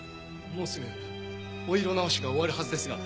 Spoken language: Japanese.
もうすぐお色直しが終わるはずですが。